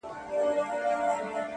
د خپل ښايسته خيال پر رنگينه پاڼه ـ